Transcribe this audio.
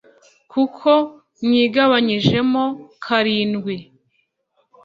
kuko mwigabanyijemo karindwi.